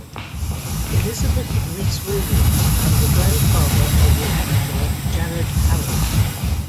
Elizabeth Rees-Williams and the grandfather of the actor Jared Harris.